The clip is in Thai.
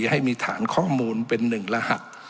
ให้มีฐานข้อมูลเป็นหนึ่งรหัส